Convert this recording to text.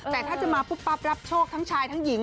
แต่ถ้าจะมาปุ๊บปั๊บรับโชคทั้งชายทั้งหญิง